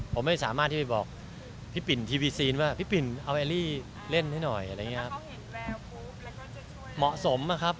ผมไม่สามารถที่ไปบอกพี่ปิ่นทีวีซีนว่าพี่ปิ่นเอาแอลลี่เล่นให้หน่อยอะไรอย่างนี้ครับเหมาะสมอะครับ